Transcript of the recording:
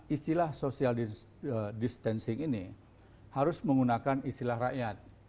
istilah social distancing ini harus menggunakan istilah rakyat